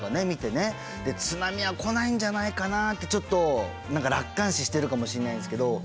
見てね津波は来ないんじゃないかなってちょっと何か楽観視してるかもしれないんですけど。